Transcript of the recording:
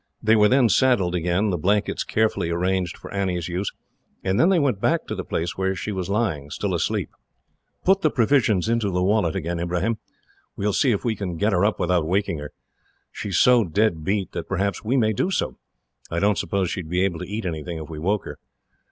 They were then saddled again, the blankets carefully arranged for Annie's use, and then they went back to the place where she was lying, still asleep. "Put the provisions into the wallet again, Ibrahim. We will see if we can get her up without waking her. She is so dead beat that, perhaps, we may do so. I don't suppose she would be able to eat anything, if we woke her.